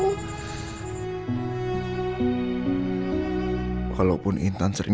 nenggak ada siapapun yang bisa sombong